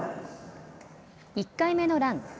１回目のラン。